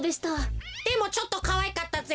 でもちょっとかわいかったぜ。